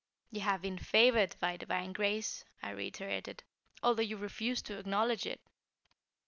"You have been favored by divine grace," I reiterated, "although you refuse to acknowledge it."